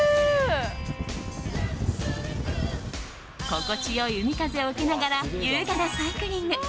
心地良い海風を受けながら優雅なサイクリング。